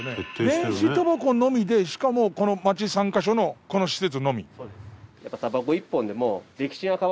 電子タバコのみでしかもこの町３カ所のこの施設のみ。